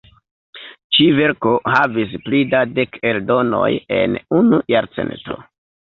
Ĉi-verko havis pli da dek eldonoj en unu jarcento.